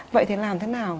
vậy thì làm thế nào